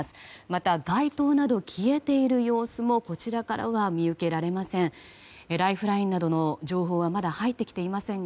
また、街灯など消えている様子もこちらからは見受けられません。